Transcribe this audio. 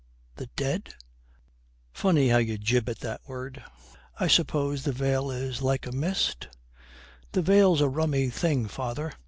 'The dead? Funny how you jib at that word.' 'I suppose the veil is like a mist?' 'The veil's a rummy thing, father.